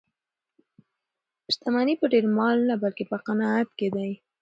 شتمني په ډېر مال نه بلکې په قناعت کې ده.